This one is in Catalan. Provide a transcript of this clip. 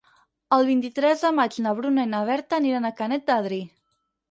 El vint-i-tres de maig na Bruna i na Berta aniran a Canet d'Adri.